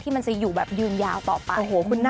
มันจะอยู่แบบยืนยาวต่อไป